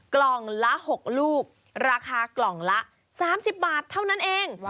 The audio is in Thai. กล่องละ๖ลูกราคากล่องละ๓๐บาทเท่านั้นเอง